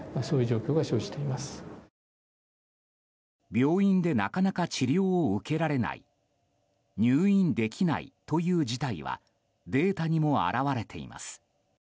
病院でなかなか治療を受けられない入院できないという事態はデータにも表れています。